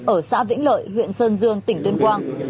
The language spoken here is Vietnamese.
ở xã vĩnh lợi huyện sơn dương tỉnh tuyên quang